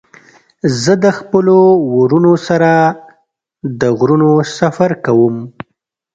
زه د خپلو ورونو سره د غرونو سفر کوم.